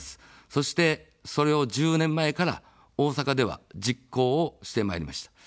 そして、それを１０年前から大阪では実行をしてまいりました。